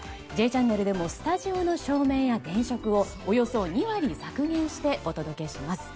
「Ｊチャンネル」でもスタジオの照明や電飾をおよそ２割削減してお届けします。